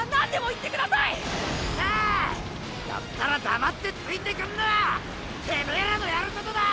っせー！だったら黙ってついてくんのがてめえらのやることだ！